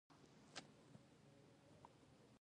په افغانستان کې د ځمکني شکل په اړه پوره زده کړه کېږي.